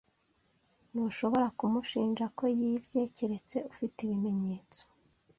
Ntushobora kumushinja ko yibye keretse ufite ibimenyetso.